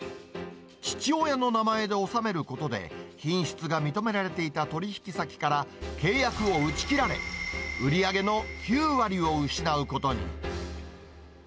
父親の名前で納めることで、品質が認められていた取り引き先から契約を打ち切られ、売り上げの９割を失うことに。